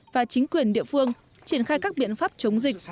và chính quyền địa phương triển khai các biện pháp chống dịch